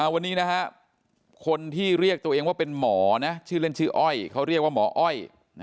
วันนี้คนที่เรียกตัวเองว่าเป็นหมอนะชื่อเล่นชื่ออ้อยเขาเรียกว่าหมออ้อย